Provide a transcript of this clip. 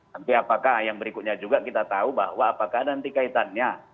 nanti apakah yang berikutnya juga kita tahu bahwa apakah nanti kaitannya